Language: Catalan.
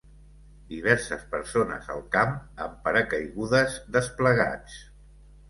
Diverses persones al camp amb paracaigudes desplegats.